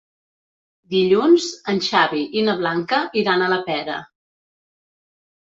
Dilluns en Xavi i na Blanca iran a la Pera.